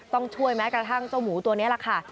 ต้องช่วยแม้กระทั่งเจ้าหมูตัวนี้แหละค่ะ